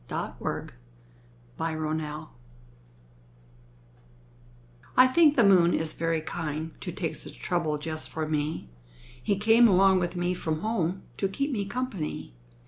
II The Kind Moon I think the moon is very kind To take such trouble just for me. He came along with me from home To keep me company.